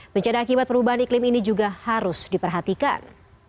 bencana akibat perubahan iklim ini juga harus diperhatikan